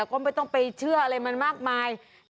ก็ไม่ต้องไปเชื่ออะไรมันมากมาย